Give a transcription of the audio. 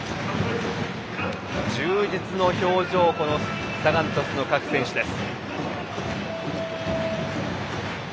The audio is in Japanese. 充実の表情、サガン鳥栖の各選手です。